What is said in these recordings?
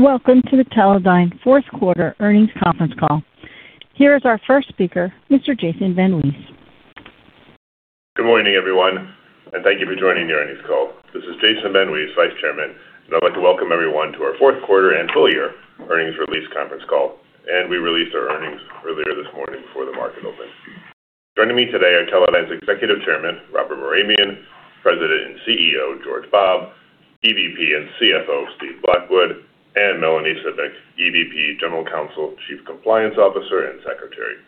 Welcome to the Teledyne Fourth Quarter Earnings Conference Call. Here is our first speaker, Mr. Jason VanWees. Good morning, everyone, and thank you for joining the earnings call. This is Jason VanWees, Vice Chairman, and I'd like to welcome everyone to our Fourth Quarter and Full Year Earnings Release Conference Call, and we released our earnings earlier this morning before the market opened. Joining me today are Teledyne's Executive Chairman, Robert Mehrabian, President and CEO, George Bobb, EVP and CFO, Steve Blackwood, and Melanie Cibik, EVP, General Counsel, Chief Compliance Officer, and Secretary.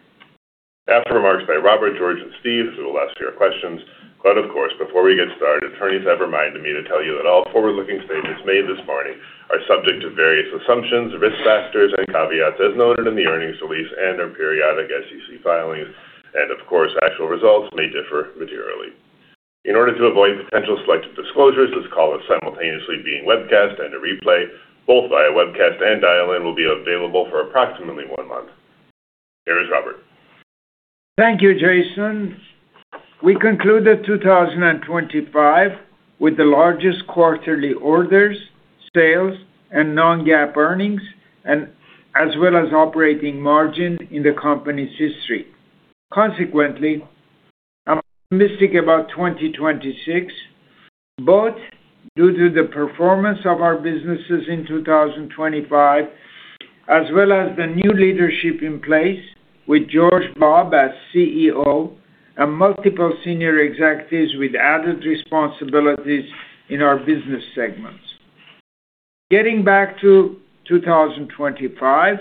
After remarks by Robert, George, and Steve, we will take your questions, but of course, before we get started, attorneys have reminded me to tell you that all forward-looking statements made this morning are subject to various assumptions, risk factors, and caveats, as noted in the earnings release and our periodic SEC filings, and of course, actual results may differ materially. In order to avoid potential selective disclosures, this call is simultaneously being webcast and a replay. Both via webcast and dial-in will be available for approximately one month. Here is Robert. Thank you, Jason. We concluded 2025 with the largest quarterly orders, sales, and non-GAAP earnings, as well as operating margin in the company's history. Consequently, I'm optimistic about 2026, both due to the performance of our businesses in 2025, as well as the new leadership in place with George Bobb as CEO and multiple senior executives with added responsibilities in our business segments. Getting back to 2025,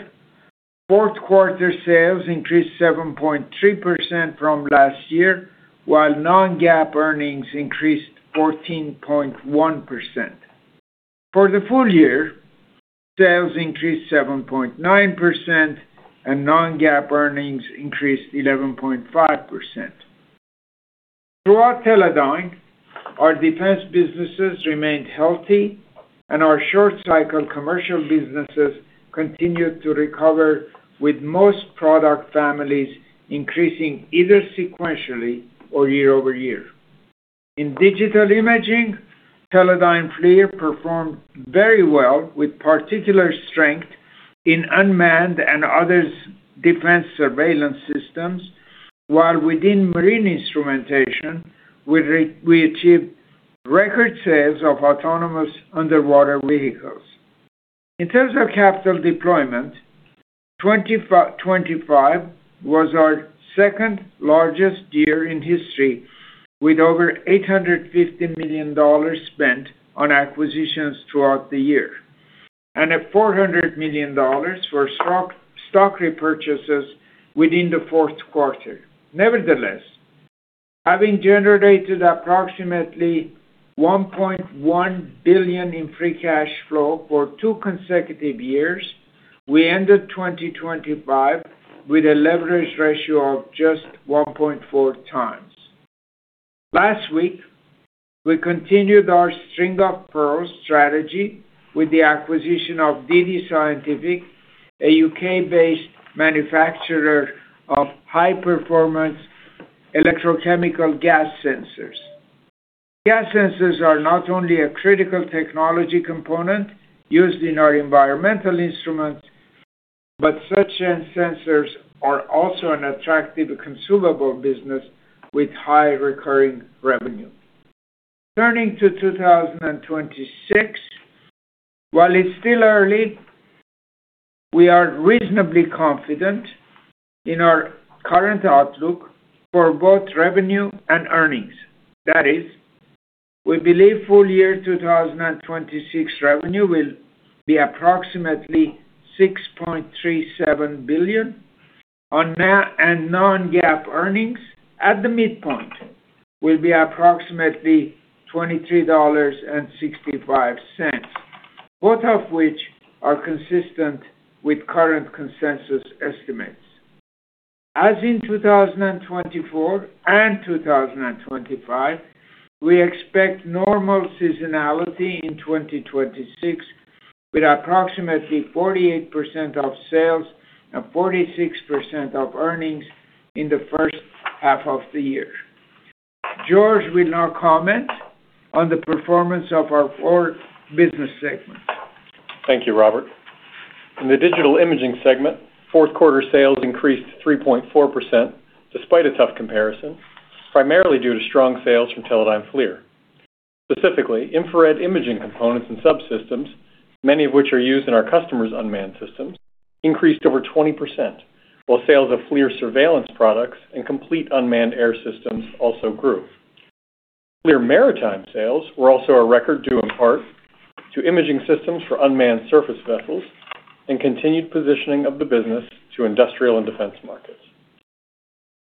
fourth quarter sales increased 7.3% from last year, while non-GAAP earnings increased 14.1%. For the full year, sales increased 7.9%, and non-GAAP earnings increased 11.5%. Throughout Teledyne, our defense businesses remained healthy, and our short-cycle commercial businesses continued to recover, with most product families increasing either sequentially or year over year. In digital imaging, Teledyne FLIR performed very well, with particular strength in unmanned and other defense surveillance systems, while within marine instrumentation, we achieved record sales of autonomous underwater vehicles. In terms of capital deployment, 2025 was our second largest year in history, with over $850 million spent on acquisitions throughout the year and $400 million for stock repurchases within the fourth quarter. Nevertheless, having generated approximately $1.1 billion in free cash flow for two consecutive years, we ended 2025 with a leverage ratio of just 1.4 times. Last week, we continued our String of Pearls strategy with the acquisition of DD-Scientific, a UK-based manufacturer of high-performance electrochemical gas sensors. Gas sensors are not only a critical technology component used in our environmental instruments, but such sensors are also an attractive consumable business with high recurring revenue. Turning to 2026, while it's still early, we are reasonably confident in our current outlook for both revenue and earnings. That is, we believe full year 2026 revenue will be approximately $6.37 billion, and non-GAAP earnings at the midpoint will be approximately $23.65, both of which are consistent with current consensus estimates. As in 2024 and 2025, we expect normal seasonality in 2026, with approximately 48% of sales and 46% of earnings in the first half of the year. George will now comment on the performance of our four business segments. Thank you, Robert. In the digital imaging segment, fourth quarter sales increased 3.4% despite a tough comparison, primarily due to strong sales from Teledyne FLIR. Specifically, infrared imaging components and subsystems, many of which are used in our customers' unmanned systems, increased over 20%, while sales of FLIR surveillance products and complete unmanned air systems also grew. FLIR maritime sales were also a record due in part to imaging systems for unmanned surface vessels and continued positioning of the business to industrial and defense markets.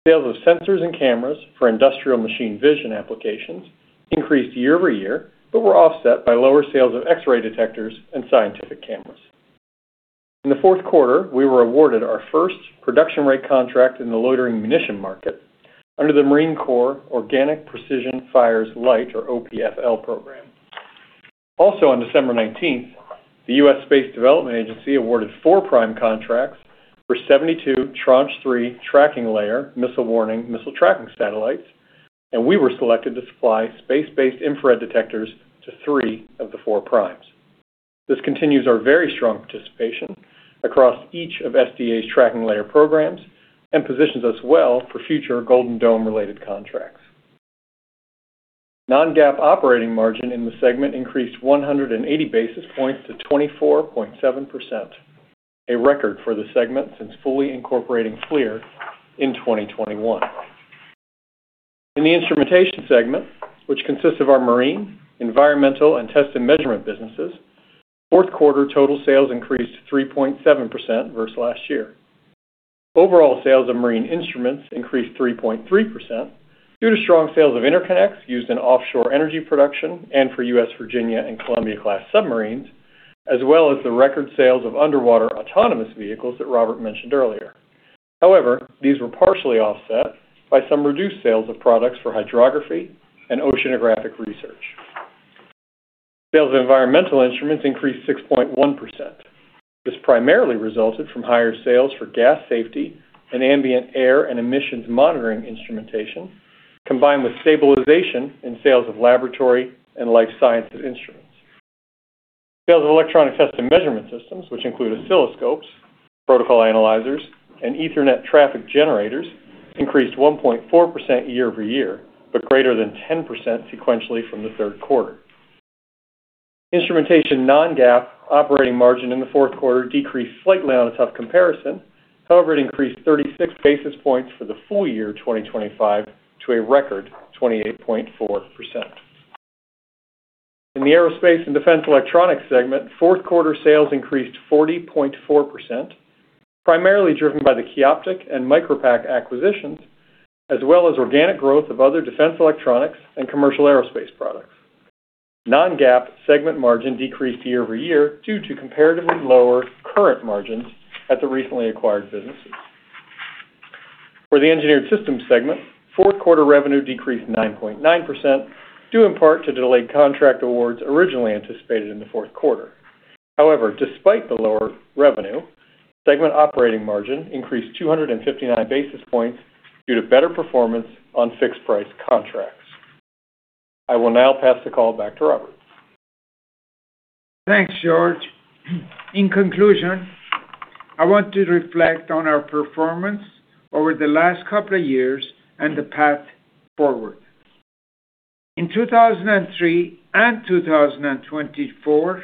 Sales of sensors and cameras for industrial machine vision applications increased year over year, but were offset by lower sales of X-ray detectors and scientific cameras. In the fourth quarter, we were awarded our first production rate contract in the loitering munition market under the Marine Corps Organic Precision Fires-Light, or OPF-L, program. Also, on December 19th, the Space Development Agency awarded four prime contracts for 72 Tranche 3 Tracking Layer missile warning and tracking satellites, and we were selected to supply space-based infrared detectors to three of the four primes. This continues our very strong participation across each of SDA's Tracking Layer programs and positions us well for future Ground Domain related contracts. Non-GAAP operating margin in the segment increased 180 basis points to 24.7%, a record for the segment since fully incorporating FLIR in 2021. In the instrumentation segment, which consists of our marine, environmental, and test and measurement businesses, fourth quarter total sales increased 3.7% versus last year. Overall sales of marine instruments increased 3.3% due to strong sales of interconnects used in offshore energy production and for U.S. Virginia-class and Columbia-class submarines, as well as the record sales of underwater autonomous vehicles that Robert mentioned earlier. However, these were partially offset by some reduced sales of products for hydrography and oceanographic research. Sales of environmental instruments increased 6.1%. This primarily resulted from higher sales for gas safety and ambient air and emissions monitoring instrumentation, combined with stabilization in sales of laboratory and life sciences instruments. Sales of electronic test and measurement systems, which include oscilloscopes, protocol analyzers, and Ethernet traffic generators, increased 1.4% year over year, but greater than 10% sequentially from the third quarter. Instrumentation non-GAAP operating margin in the Fourth Quarter decreased slightly on a tough comparison. However, it increased 36 basis points for the full year 2025 to a record 28.4%. In the aerospace and defense electronics segment, Fourth Quarter sales increased 40.4%, primarily driven by the optics and Micropac acquisitions, as well as organic growth of other defense electronics and commercial aerospace products. Non-GAAP segment margin decreased year over year due to comparatively lower current margins at the recently acquired businesses. For the engineered systems segment, fourth quarter revenue decreased 9.9% due in part to delayed contract awards originally anticipated in the fourth quarter. However, despite the lower revenue, segment operating margin increased 259 basis points due to better performance on fixed-price contracts. I will now pass the call back to Robert. Thanks, George. In conclusion, I want to reflect on our performance over the last couple of years and the path forward. In 2023 and 2024,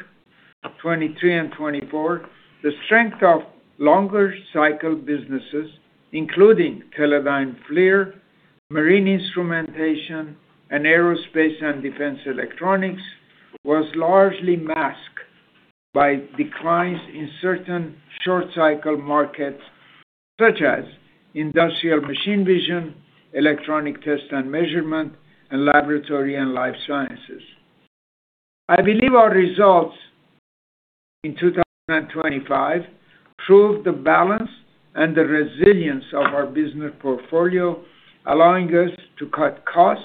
'23 and '24, the strength of longer cycle businesses, including Teledyne FLIR, marine instrumentation, and aerospace and defense electronics, was largely masked by declines in certain short-cycle markets, such as industrial machine vision, electronic test and measurement, and laboratory and life sciences. I believe our results in 2025 proved the balance and the resilience of our business portfolio, allowing us to cut costs,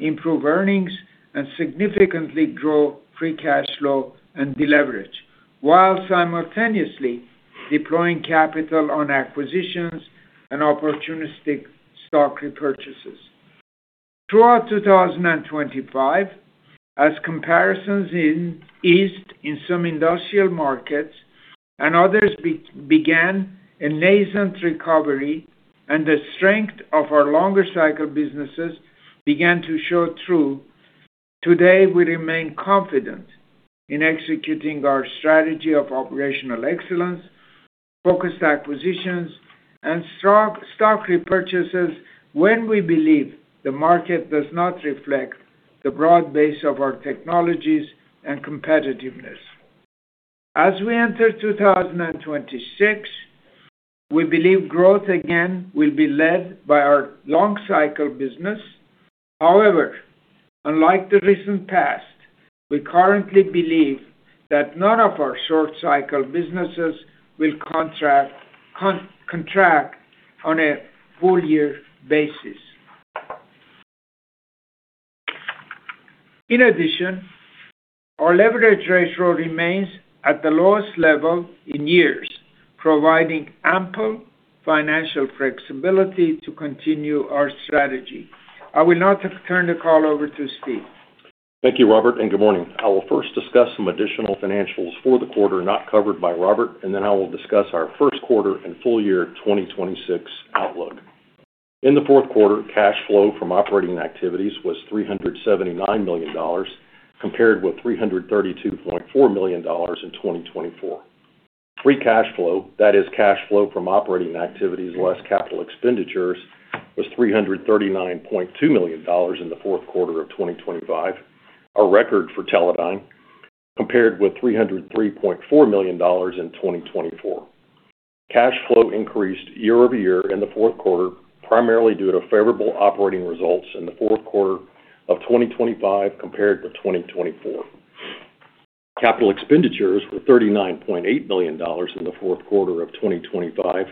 improve earnings, and significantly grow free cash flow and deleverage, while simultaneously deploying capital on acquisitions and opportunistic stock repurchases. Throughout 2025, as comparisons eased in some industrial markets and others began a nascent recovery and the strength of our longer cycle businesses began to show through, today we remain confident in executing our strategy of operational excellence, focused acquisitions, and stock repurchases when we believe the market does not reflect the broad base of our technologies and competitiveness. As we enter 2026, we believe growth again will be led by our long-cycle business. However, unlike the recent past, we currently believe that none of our short-cycle businesses will contract on a full year basis. In addition, our leverage ratio remains at the lowest level in years, providing ample financial flexibility to continue our strategy. I will now turn the call over to Steve. Thank you, Robert, and good morning. I will first discuss some additional financials for the quarter not covered by Robert, and then I will discuss our First Quarter and Full Year 2026 outlook. In the Fourth Quarter, cash flow from operating activities was $379 million, compared with $332.4 million in 2024. Free cash flow, that is, cash flow from operating activities less capital expenditures, was $339.2 million in the Fourth Quarter of 2025, a record for Teledyne, compared with $303.4 million in 2024. Cash flow increased year over year in the Fourth Quarter, primarily due to favorable operating results in the Fourth Quarter of 2025 compared with 2024. Capital expenditures were $39.8 million in the Fourth Quarter of 2025,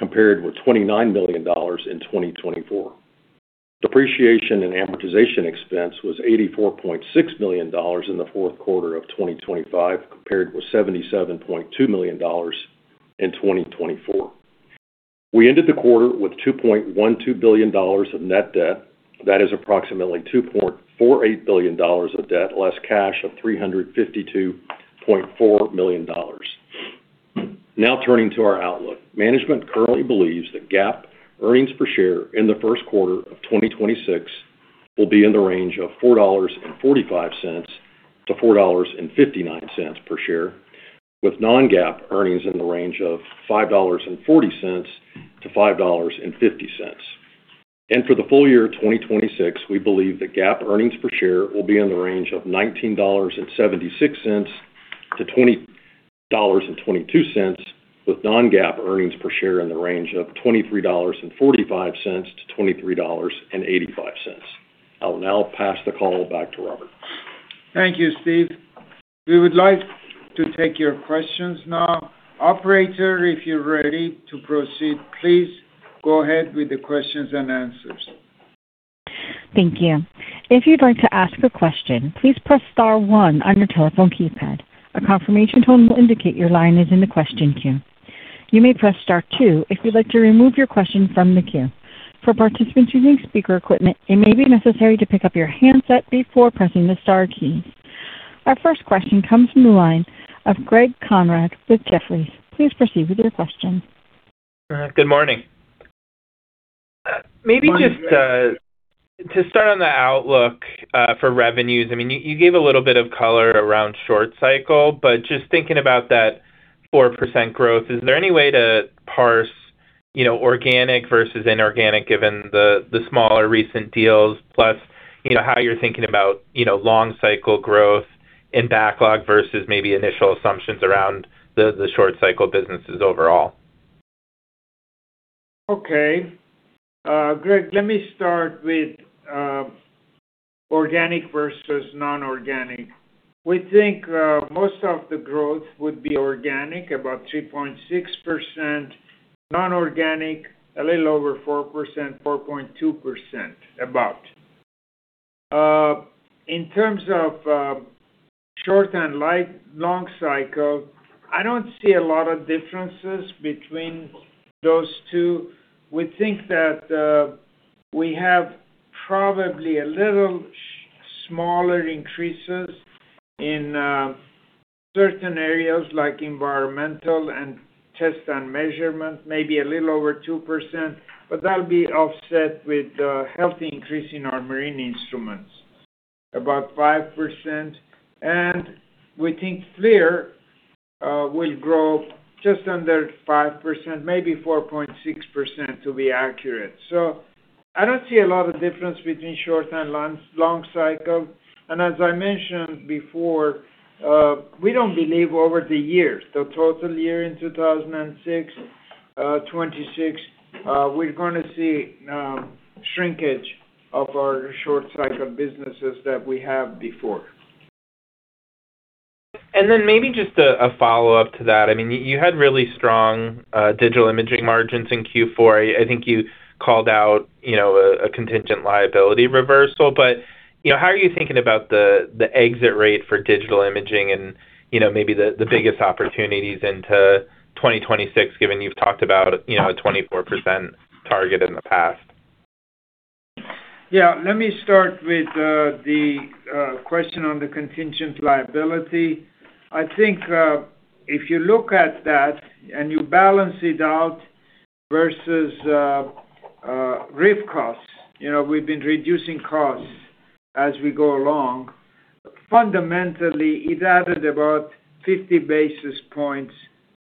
compared with $29 million in 2024. Depreciation and amortization expense was $84.6 million in the Fourth Quarter of 2025, compared with $77.2 million in 2024. We ended the quarter with $2.12 billion of net debt, that is, approximately $2.48 billion of debt less cash of $352.4 million. Now turning to our outlook, management currently believes that GAAP earnings per share in the first quarter of 2026 will be in the range of $4.45-$4.59 per share, with non-GAAP earnings in the range of $5.40-$5.50. For the full year 2026, we believe that GAAP earnings per share will be in the range of $19.76-$20.22, with non-GAAP earnings per share in the range of $23.45-$23.85. I will now pass the call back to Robert. Thank you, Steve. We would like to take your questions now. Operator, if you're ready to proceed, please go ahead with the questions and answers. Thank you. If you'd like to ask a question, please press Star 1 on your telephone keypad. A confirmation tone will indicate your line is in the question queue. You may press Star 2 if you'd like to remove your question from the queue. For participants using speaker equipment, it may be necessary to pick up your handset before pressing the Star key. Our first question comes from the line of Greg Conrad with Jefferies. Please proceed with your question. Good morning. Good morning. Maybe just to start on the outlook for revenues, I mean, you gave a little bit of color around short cycle, but just thinking about that 4% growth, is there any way to parse organic versus inorganic given the smaller recent deals, plus how you're thinking about long-cycle growth in backlog versus maybe initial assumptions around the short-cycle businesses overall? Okay. Greg, let me start with organic versus non-organic. We think most of the growth would be organic, about 3.6%. Non-organic, a little over 4%, 4.2%, about. In terms of short and long cycle, I don't see a lot of differences between those two. We think that we have probably a little smaller increases in certain areas like environmental and test and measurement, maybe a little over 2%, but that'll be offset with a healthy increase in our marine instruments, about 5%. And we think FLIR will grow just under 5%, maybe 4.6% to be accurate. So I don't see a lot of difference between short and long cycle. And as I mentioned before, we don't believe over the year, the total year in 2026, we're going to see shrinkage of our short-cycle businesses that we had before. And then maybe just a follow-up to that. I mean, you had really strong digital imaging margins in Q4. I think you called out a contingent liability reversal. But how are you thinking about the exit rate for digital imaging and maybe the biggest opportunities into 2026, given you've talked about a 24% target in the past? Yeah. Let me start with the question on the contingent liability. I think if you look at that and you balance it out versus RIF costs, we've been reducing costs as we go along. Fundamentally, it added about 50 basis points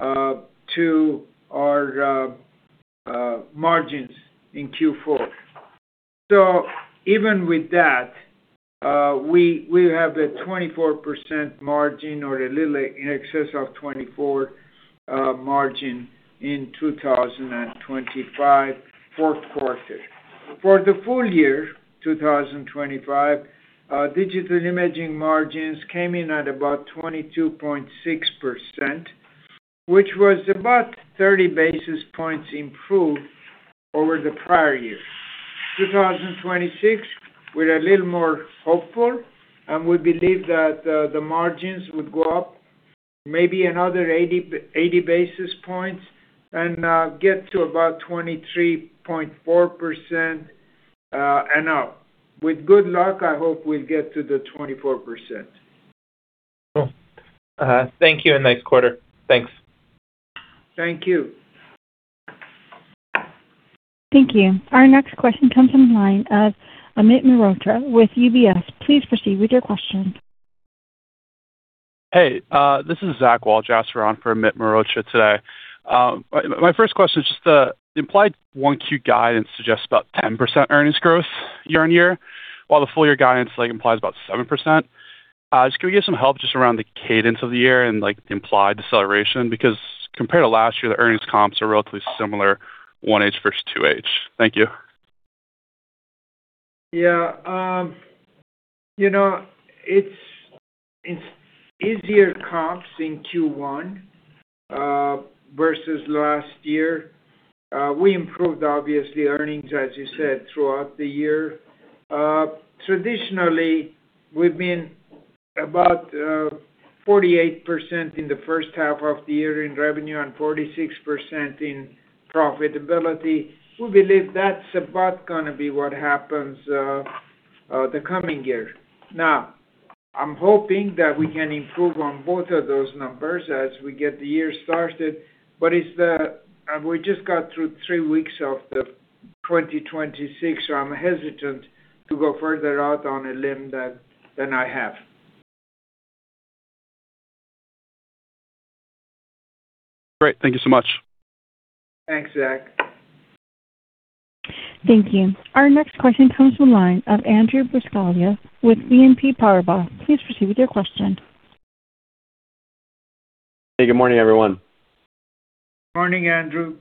to our margins in Q4. So even with that, we have a 24% margin or a little in excess of 24% margin in 2025 fourth quarter. For the full year 2025, digital imaging margins came in at about 22.6%, which was about 30 basis points improved over the prior year. 2026, we're a little more hopeful, and we believe that the margins would go up maybe another 80 basis points and get to about 23.4%. And with good luck, I hope we'll get to the 24%. Cool. Thank you and nice quarter. Thanks. Thank you. Thank you. Our next question comes from the line of Amit Mehrotra with Deutsche Bank. Please proceed with your question. Hey, this is Zachary Wall on for Amit Mehrotra today. My first question is just the implied Q1 guidance suggests about 10% earnings growth year on year, while the full-year guidance implies about 7%. Just can we get some help just around the cadence of the year and the implied deceleration? Because compared to last year, the earnings comps are relatively similar, 1H versus 2H. Thank you. Yeah. It's easier comps in Q1 versus last year. We improved, obviously, earnings, as you said, throughout the year. Traditionally, we've been about 48% in the first half of the year in revenue and 46% in profitability. We believe that's about going to be what happens the coming year. Now, I'm hoping that we can improve on both of those numbers as we get the year started, but we just got through three weeks of the 2026, so I'm hesitant to go further out on a limb than I have. Great. Thank you so much. Thanks, Zach. Thank you. Our next question comes from the line of Andrew Buscaglia with BNP Paribas. Please proceed with your question. Hey, good morning, everyone. Morning, Andrew.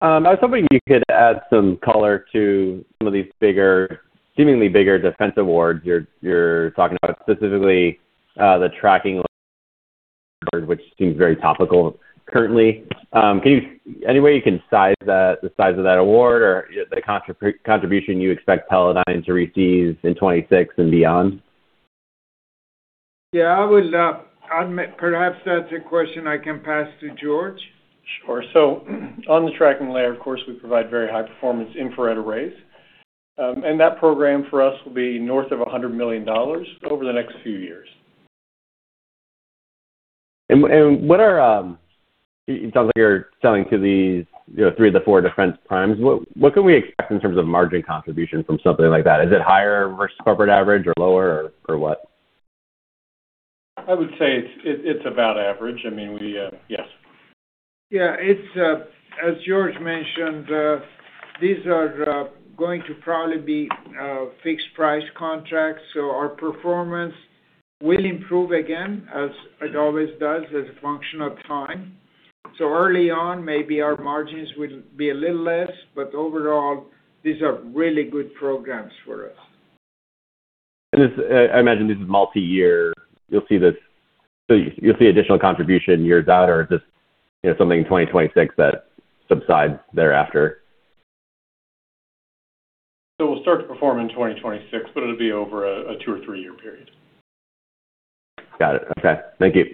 I was hoping you could add some color to some of these seemingly bigger defense awards you're talking about, specifically the Tranche 3 Tracking Layer, which seems very topical currently. Any way you can size the size of that award or the contribution you expect Teledyne to receive in 2026 and beyond? Yeah. Perhaps that's a question I can pass to George. Sure, so on the Tracking Layer, of course, we provide very high-performance infrared arrays, and that program for us will be north of $100 million over the next few years. It sounds like you're selling to these three of the four defense primes. What can we expect in terms of margin contribution from something like that? Is it higher versus corporate average or lower or what? I would say it's about average. I mean, yes. Yeah. As George mentioned, these are going to probably be fixed-price contracts. So our performance will improve again, as it always does, as a function of time. So early on, maybe our margins will be a little less, but overall, these are really good programs for us. And I imagine this is multi-year. You'll see additional contribution years out, or is this something in 2026 that subsides thereafter? We'll start to perform in 2026, but it'll be over a two or three-year period. Got it. Okay. Thank you.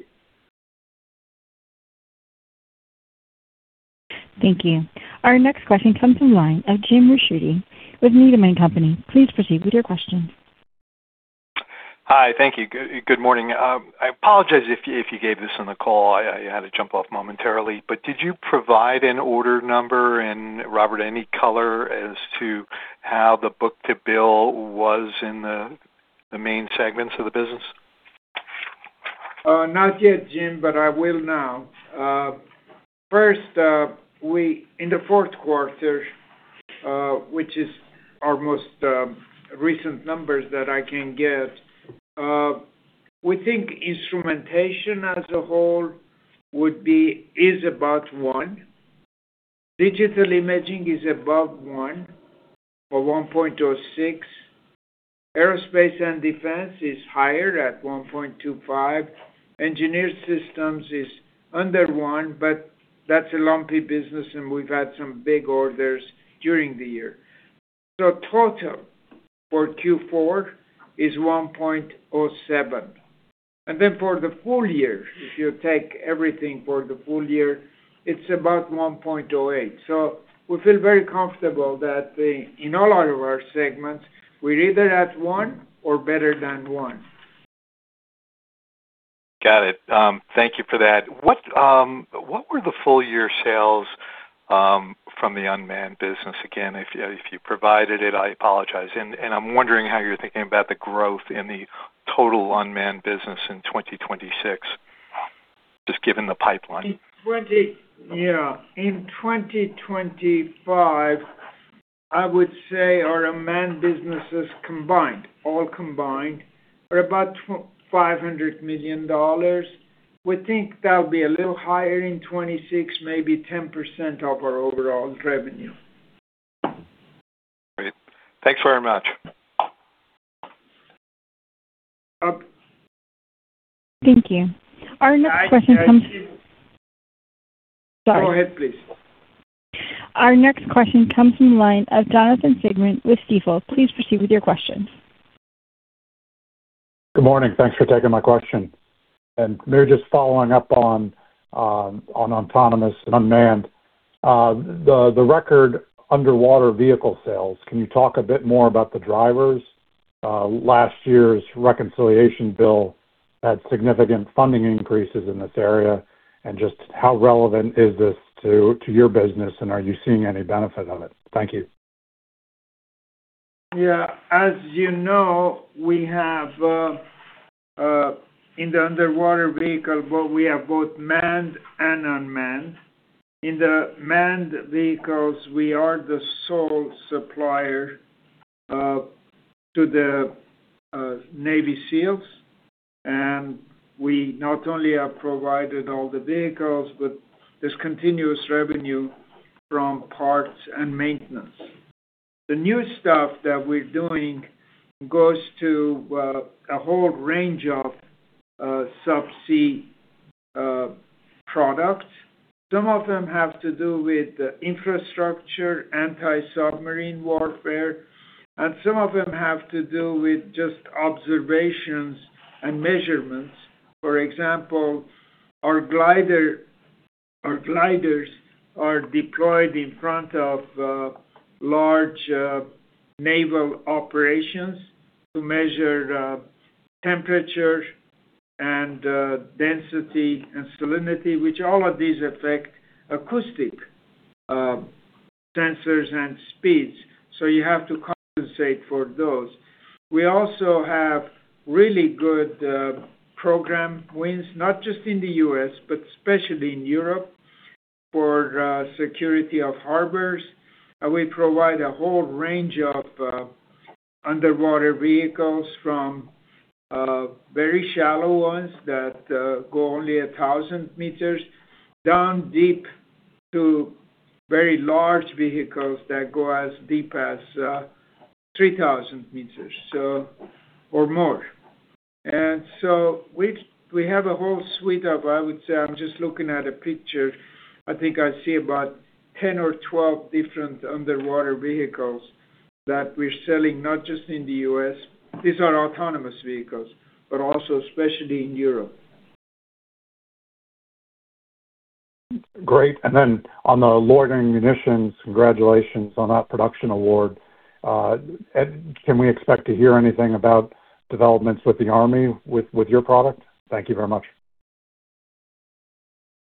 Thank you. Our next question comes from the line of Jim Ricchiuti, with Needham & Company. Please proceed with your question. Hi. Thank you. Good morning. I apologize if you gave this on the call. I had to jump off momentarily. But did you provide an order number, Robert, any color as to how the book-to-bill was in the main segments of the business? Not yet, Jim, but I will now. First, in the Fourth Quarter, which is our most recent numbers that I can get, we think instrumentation as a whole is about 1. Digital imaging is above 1 or 1.06. Aerospace and defense is higher at 1.25. Engineered systems is under 1, but that's a lumpy business, and we've had some big orders during the year. So total for Q4 is 1.07. And then for the full year, if you take everything for the full year, it's about 1.08. So we feel very comfortable that in all our segments, we're either at 1 or better than 1. Got it. Thank you for that. What were the full-year sales from the unmanned business? Again, if you provided it, I apologize. And I'm wondering how you're thinking about the growth in the total unmanned business in 2026, just given the pipeline? Yeah. In 2025, I would say our unmanned businesses combined, all combined, are about $500 million. We think that'll be a little higher in 2026, maybe 10% of our overall revenue. Great. Thanks very much. Thank you. Our next question comes. Go ahead, please. Our next question comes from the line of Jonathan Siegmann with Stifel. Please proceed with your question. Good morning. Thanks for taking my question. And we're just following up on autonomous and unmanned. The record underwater vehicle sales, can you talk a bit more about the drivers? Last year's reconciliation bill had significant funding increases in this area. And just how relevant is this to your business, and are you seeing any benefit of it? Thank you. Yeah. As you know, in the underwater vehicle, we have both manned and unmanned. In the manned vehicles, we are the sole supplier to the Navy SEALs. And we not only have provided all the vehicles, but there's continuous revenue from parts and maintenance. The new stuff that we're doing goes to a whole range of subsea products. Some of them have to do with infrastructure, anti-submarine warfare, and some of them have to do with just observations and measurements. For example, our gliders are deployed in front of large naval operations to measure temperature and density and salinity, which all of these affect acoustic sensors and speeds. So you have to compensate for those. We also have really good program wins, not just in the U.S., but especially in Europe for security of harbors. We provide a whole range of underwater vehicles from very shallow ones that go only 1,000 meters down deep to very large vehicles that go as deep as 3,000 meters or more. And so we have a whole suite of, I would say, I'm just looking at a picture. I think I see about 10 or 12 different underwater vehicles that we're selling, not just in the U.S. These are autonomous vehicles, but also especially in Europe. Great. And then on the loitering munitions, congratulations on that production award. Can we expect to hear anything about developments with the army with your product? Thank you very much.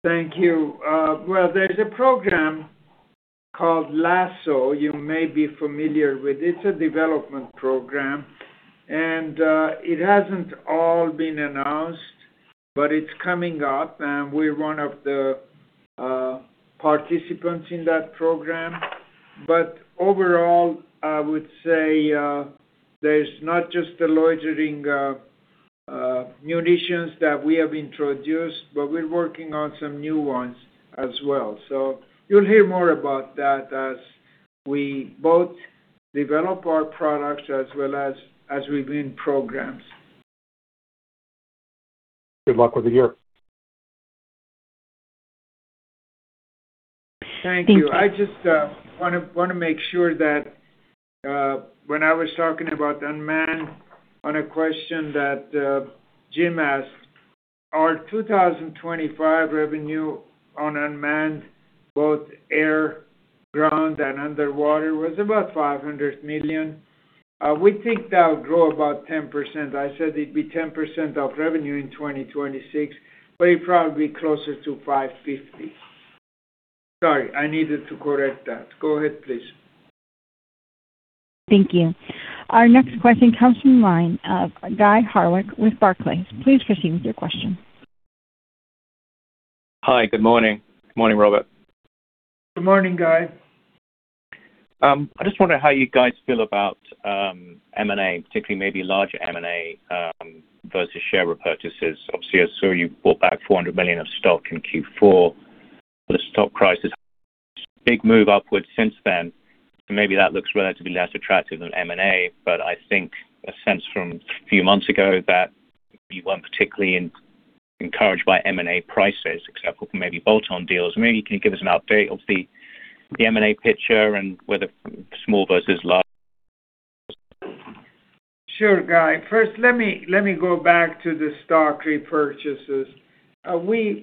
Thank you. There's a program called LASSO. You may be familiar with it. It's a development program. It hasn't all been announced, but it's coming up. We're one of the participants in that program. Overall, I would say there's not just the loitering munitions that we have introduced, but we're working on some new ones as well. You'll hear more about that as we both develop our products as well as we win programs. Good luck with the year. Thank you. I just want to make sure that when I was talking about unmanned, on a question that Jim asked, our 2025 revenue on unmanned, both air, ground, and underwater was about $500 million. We think that'll grow about 10%. I said it'd be 10% of revenue in 2026, but it'd probably be closer to $550 million. Sorry. I needed to correct that. Go ahead, please. Thank you. Our next question comes from the line of Guy Hardwick with Barclays. Please proceed with your question. Hi. Good morning. Good morning, Robert. Good morning, Guy. I just wonder how you guys feel about M&A, particularly maybe larger M&A versus share repurchases. Obviously, I saw you bought back $400 million of stock in Q4. The stock price has had a big move upward since then. So maybe that looks relatively less attractive than M&A. But I think a sense from a few months ago that you weren't particularly encouraged by M&A prices, except for maybe bolt-on deals. Maybe you can give us an update of the M&A picture and whether small versus large. Sure, Guy. First, let me go back to the stock repurchases.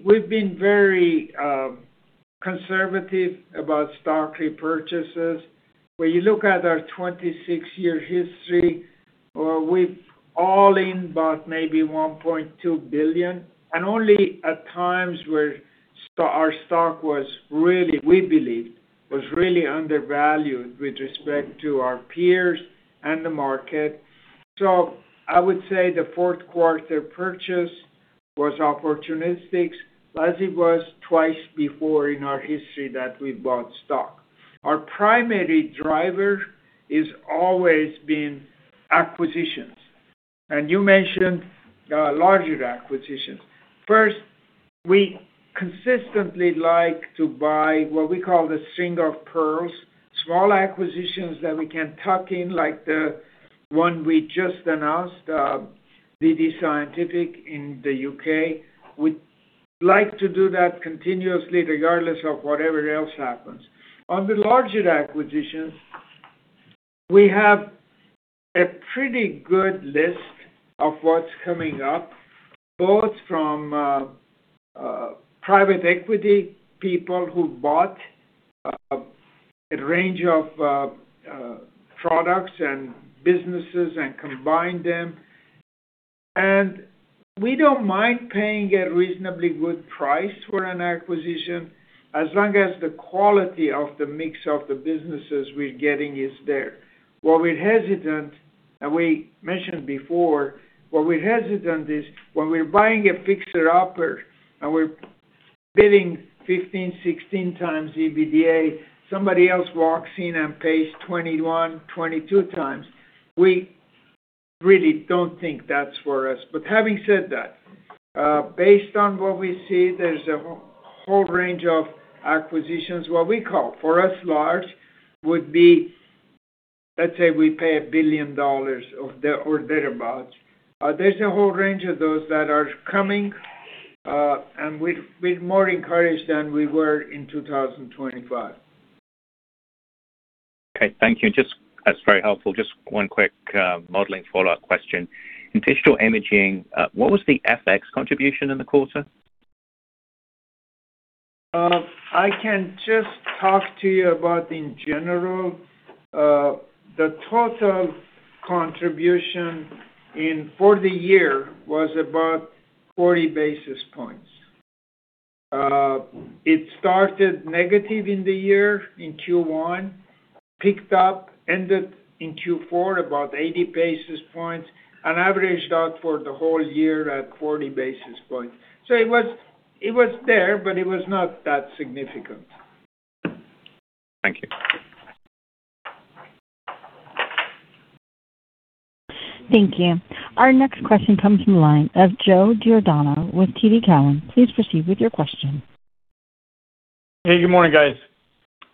We've been very conservative about stock repurchases. When you look at our 26-year history, we're all in about maybe $1.2 billion. And only at times where our stock was really, we believe, was really undervalued with respect to our peers and the market. So I would say the Fourth Quarter purchase was opportunistic, as it was twice before in our history that we bought stock. Our primary driver has always been acquisitions. And you mentioned larger acquisitions. First, we consistently like to buy what we call the string of pearls, small acquisitions that we can tuck in, like the one we just announced, DD-Scientific in the UK. We'd like to do that continuously, regardless of whatever else happens. On the larger acquisitions, we have a pretty good list of what's coming up, both from private equity people who bought a range of products and businesses and combined them. We don't mind paying a reasonably good price for an acquisition as long as the quality of the mix of the businesses we're getting is there. What we're hesitant, and we mentioned before, what we're hesitant is when we're buying a fixer-upper and we're bidding 15-16 times EBITDA, somebody else walks in and pays 21-22 times. We really don't think that's for us. Having said that, based on what we see, there's a whole range of acquisitions. What we call, for us, large would be, let's say, we pay $1 billion or thereabouts. There's a whole range of those that are coming, and we're more encouraged than we were in 2025. Okay. Thank you. That's very helpful. Just one quick modeling follow-up question. In digital imaging, what was the FX contribution in the quarter? I can just talk to you about in general. The total contribution for the year was about 40 basis points. It started negative in the year in Q1, picked up, ended in Q4 at about 80 basis points, and averaged out for the whole year at 40 basis points. So it was there, but it was not that significant. Thank you. Thank you. Our next question comes from the line of Joe Giordano with TD Cowen. Please proceed with your question. Hey, good morning, guys.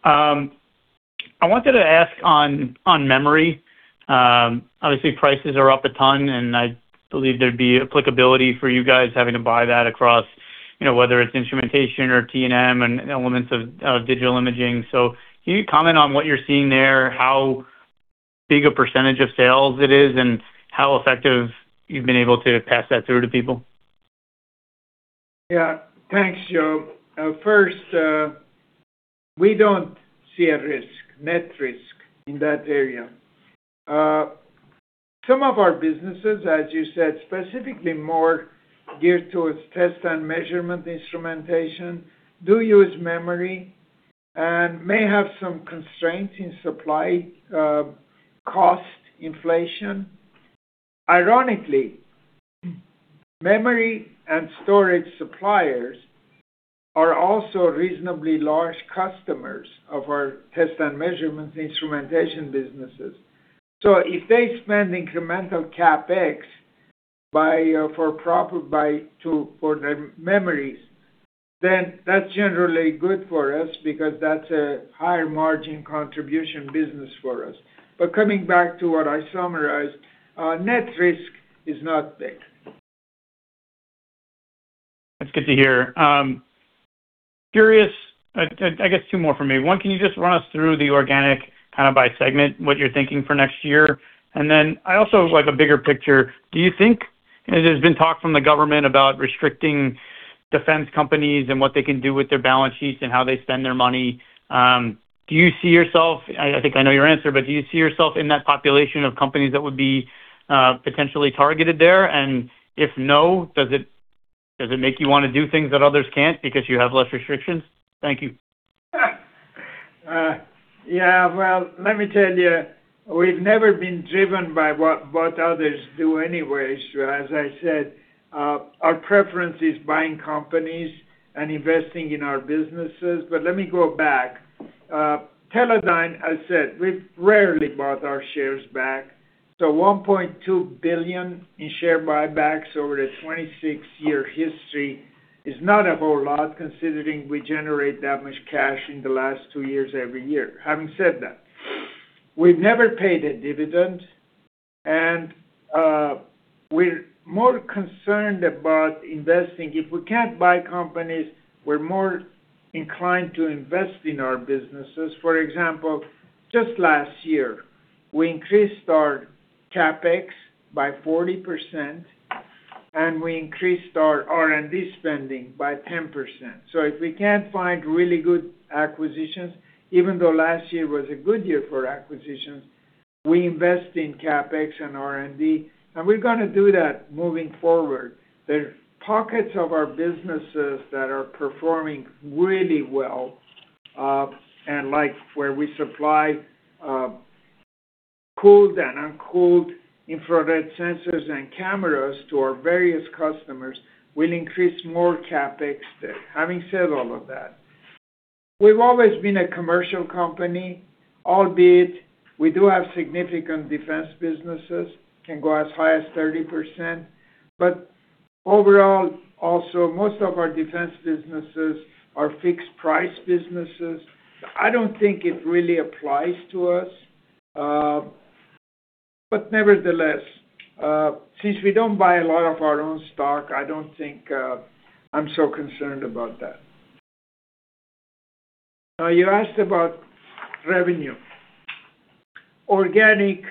I wanted to ask on memory. Obviously, prices are up a ton, and I believe there'd be applicability for you guys having to buy that across whether it's instrumentation or T&M and elements of digital imaging. So can you comment on what you're seeing there, how big a percentage of sales it is, and how effective you've been able to pass that through to people? Yeah. Thanks, Joe. First, we don't see a risk, net risk, in that area. Some of our businesses, as you said, specifically more geared towards test and measurement instrumentation, do use memory and may have some constraints in supply cost inflation. Ironically, memory and storage suppliers are also reasonably large customers of our test and measurement instrumentation businesses. So if they spend incremental CapEx for memories, then that's generally good for us because that's a higher margin contribution business for us. But coming back to what I summarized, net risk is not big. That's good to hear. I guess two more from me. One, can you just run us through the organic kind of by segment, what you're thinking for next year? And then I also like a bigger picture. Do you think there's been talk from the government about restricting defense companies and what they can do with their balance sheets and how they spend their money? Do you see yourself, I think I know your answer, but do you see yourself in that population of companies that would be potentially targeted there? And if no, does it make you want to do things that others can't because you have less restrictions? Thank you. Yeah, well, let me tell you, we've never been driven by what others do anyways. As I said, our preference is buying companies and investing in our businesses, but let me go back. Teledyne, as I said, we've rarely bought our shares back, so $1.2 billion in share buybacks over a 26-year history is not a whole lot considering we generate that much cash in the last two years every year. Having said that, we've never paid a dividend, and we're more concerned about investing. If we can't buy companies, we're more inclined to invest in our businesses. For example, just last year, we increased our CapEx by 40%, and we increased our R&D spending by 10%, so if we can't find really good acquisitions, even though last year was a good year for acquisitions, we invest in CapEx and R&D, and we're going to do that moving forward. There are pockets of our businesses that are performing really well, and where we supply cooled and uncooled infrared sensors and cameras to our various customers, we'll increase more CapEx there. Having said all of that, we've always been a commercial company, albeit we do have significant defense businesses, can go as high as 30%. But overall, also, most of our defense businesses are fixed-price businesses. I don't think it really applies to us, but nevertheless, since we don't buy a lot of our own stock, I don't think I'm so concerned about that. Now, you asked about revenue. Organic,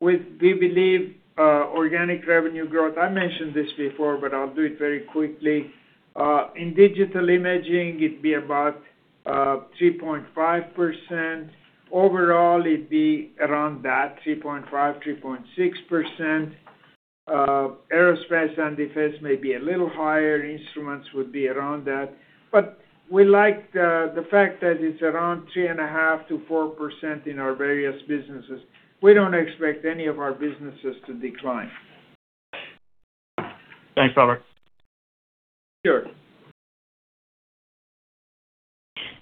we believe, organic revenue growth. I mentioned this before, but I'll do it very quickly. In digital imaging, it'd be about 3.5%. Overall, it'd be around that, 3.5, 3.6%. Aerospace and defense may be a little higher. Instruments would be around that. But we like the fact that it's around 3.5%-4% in our various businesses. We don't expect any of our businesses to decline. Thanks, Robert. Sure.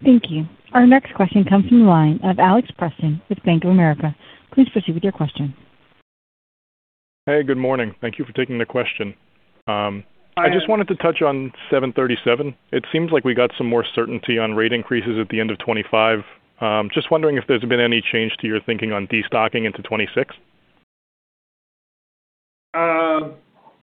Thank you. Our next question comes from the line of Alex Preston with Bank of America. Please proceed with your question. Hey, good morning. Thank you for taking the question. I just wanted to touch on 737. It seems like we got some more certainty on rate increases at the end of 2025. Just wondering if there's been any change to your thinking on destocking into 2026?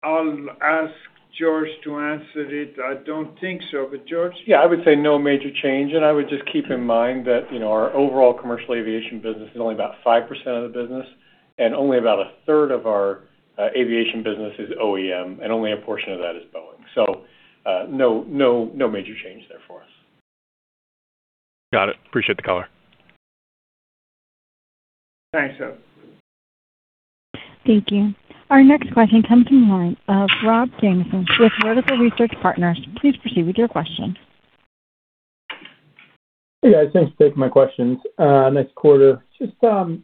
I'll ask George to answer it. I don't think so. But George? Yeah. I would say no major change. And I would just keep in mind that our overall commercial aviation business is only about 5% of the business. And only about a third of our aviation business is OEM. And only a portion of that is Boeing. So no major change there for us. Got it. Appreciate the color. Thanks, sir. Thank you. Our next question comes from the line of Robert Stallard with Vertical Research Partners. Please proceed with your question. Hey, guys. Thanks for taking my questions. Nice quarter. Just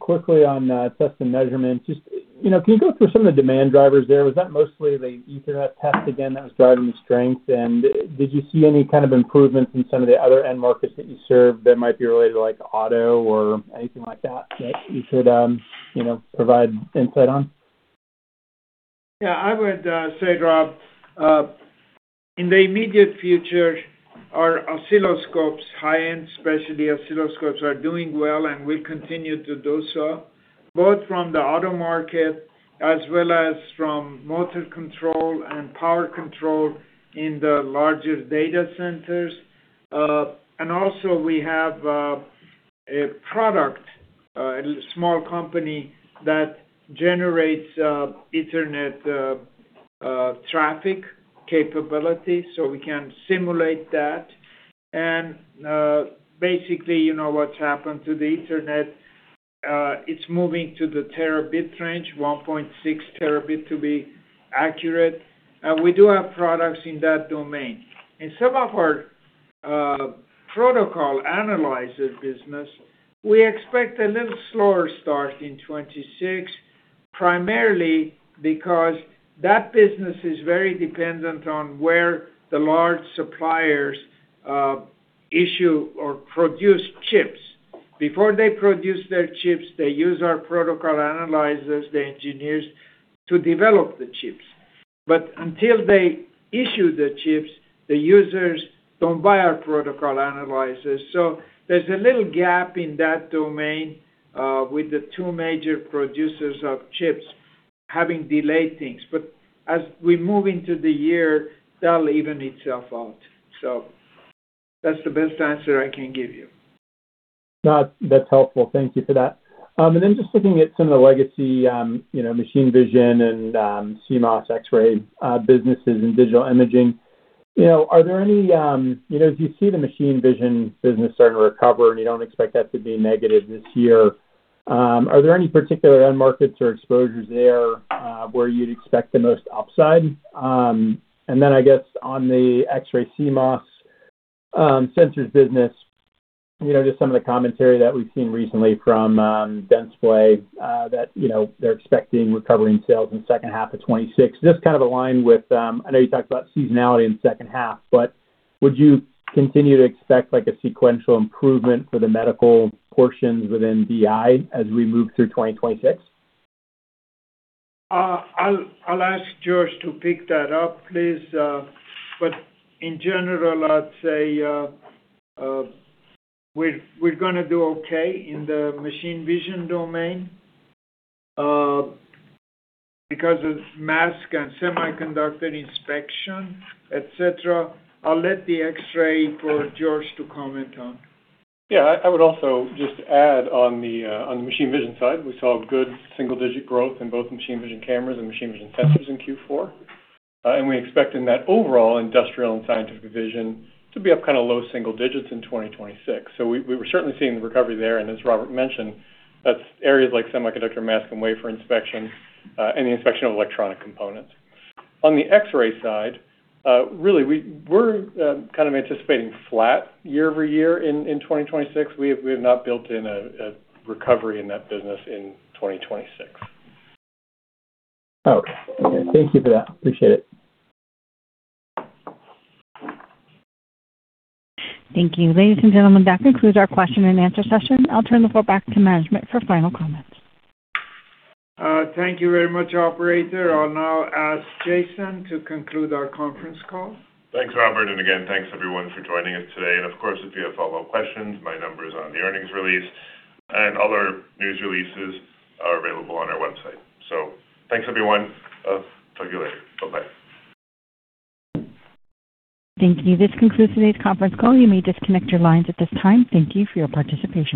quickly on test and measurement. Just can you go through some of the demand drivers there? Was that mostly the Ethernet test again that was driving the strength? And did you see any kind of improvements in some of the other end markets that you serve that might be related to auto or anything like that that you could provide insight on? Yeah. I would say, Rob, in the immediate future, our oscilloscopes, high-end specialty oscilloscopes, are doing well and will continue to do so, both from the auto market as well as from motor control and power control in the larger data centers. And also, we have a product, a small company that generates Ethernet traffic capability. So we can simulate that. And basically, you know what's happened to the Ethernet. It's moving to the terabit range, 1.6 terabit to be accurate. We do have products in that domain. In some of our protocol analyzer business, we expect a little slower start in 2026, primarily because that business is very dependent on where the large suppliers issue or produce chips. Before they produce their chips, they use our protocol analyzers, the engineers to develop the chips. But until they issue the chips, the users don't buy our protocol analyzers. So there's a little gap in that domain with the two major producers of chips having delayed things. But as we move into the year, that'll even itself out. So that's the best answer I can give you. That's helpful. Thank you for that. And then just looking at some of the legacy machine vision and CMOS X-ray businesses and digital imaging, are there any, as you see the machine vision business starting to recover and you don't expect that to be negative this year, are there any particular end markets or exposures there where you'd expect the most upside? And then I guess on the X-ray CMOS sensors business, just some of the commentary that we've seen recently from Dentsply Sirona that they're expecting recovering sales in the second half of 2026. Just kind of aligned with, I know you talked about seasonality in the second half, but would you continue to expect a sequential improvement for the medical portions within BI as we move through 2026? I'll ask George to pick that up, please. But in general, I'd say we're going to do okay in the machine vision domain because of mask and semiconductor inspection, etc. I'll let the X-ray for George to comment on. Yeah. I would also just add on the machine vision side, we saw good single-digit growth in both machine vision cameras and machine vision sensors in Q4. And we expect in that overall industrial and scientific vision to be up kind of low single digits in 2026. So we were certainly seeing the recovery there. And as Robert mentioned, that's areas like semiconductor mask and wafer inspection and the inspection of electronic components. On the X-ray side, really, we're kind of anticipating flat year over year in 2026. We have not built in a recovery in that business in 2026. Okay. Thank you for that. Appreciate it. Thank you. Ladies and gentlemen, that concludes our question and answer session. I'll turn the floor back to management for final comments. Thank you very much, operator. I'll now ask Jason to conclude our conference call. Thanks, Robert. And again, thanks everyone for joining us today. And of course, if you have follow-up questions, my number is on the earnings release. And other news releases are available on our website. So thanks everyone. Talk to you later. Bye-bye. Thank you. This concludes today's conference call. You may disconnect your lines at this time. Thank you for your participation.